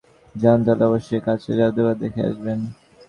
আপনি যদি একবার ওদিকে বেড়াতে যান, তাহলে অবশ্যই কাচের জাদুঘর দেখে আসবেন।